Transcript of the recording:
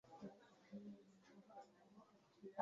Ingero z'iyi mirongo ni Ibyakozwe n’ intumwa